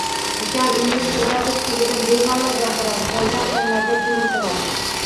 Ukam ingliz tilida, rus tilida bemalol gapiradi, qolgan fanlarda jim o'tiradi..